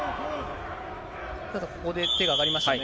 ただ、ここで手が上がりましたね。